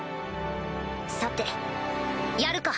さてやるか。